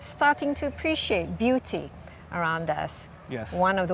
mulai menghargai keindahan di sekitar kita